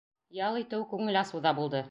Ял итеү, күңел асыу ҙа булды.